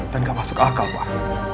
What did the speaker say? dan gak masuk akal pak